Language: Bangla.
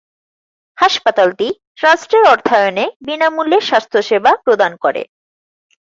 হাসপাতালটি ট্রাস্টের অর্থায়নে বিনামূল্যে স্বাস্থ্যসেবা প্রদান করে।